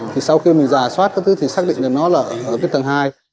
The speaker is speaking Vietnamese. thì sau khi mình giả soát các thứ thì xác định được nó là ở cái tầng hai